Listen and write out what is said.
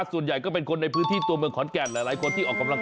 ฉันมีเพื่อนวิ่งคนหนึ่ง